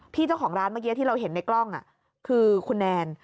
เจ้าของร้านเมื่อกี้ที่เราเห็นในกล้องคือคุณแนน